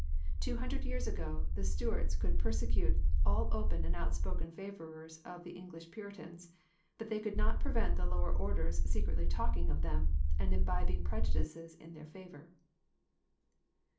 Two hundred years ago, the Stuarts could persecute all open and out spoken favourers of the English Puritans; but they could not prevent the lower orders secretly talking of them, and imbibing prejudices in their favour.